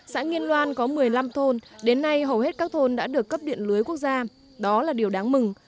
xã nghiên loan có một mươi năm thôn đến nay hầu hết các thôn đã được cấp điện lưới quốc gia đó là điều đáng mừng